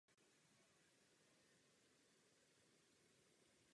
Dřevo je tvrdé a pružné.